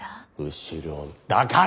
後ろだから！